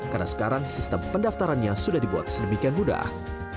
karena sekarang sistem pendaftarannya sudah dibuat sedemikian mudah